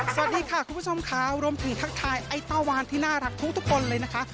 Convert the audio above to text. สวัสดีค่ะคุณผู้ชมค่ะรวมถึงทักทายไอ้ต้าวานที่น่ารักทุกคนเลยนะคะ